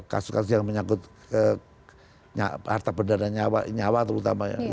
kasus kasus yang menyangkut harta perdana nyawa terutamanya